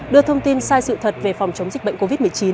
đưa thông tin sai sự thật về phòng chống dịch bệnh covid một mươi chín